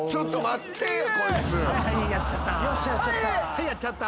はいやっちゃった。